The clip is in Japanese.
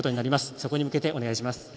そこに向けてお願いします。